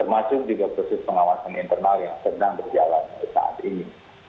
termasuk juga proses pengawasan internal yang sedang berjalan saat ini